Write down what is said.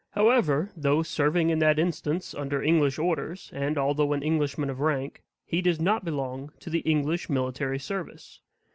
However, though serving in that instance under English orders, and although an Englishman of rank, he does not belong to the English military service.